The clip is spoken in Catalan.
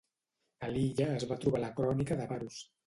A l'illa es va trobar la Crònica de Paros.